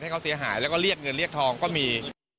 เขาเสียหายแล้วก็เรียกเงินเรียกทองก็มี